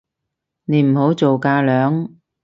你唔好做架樑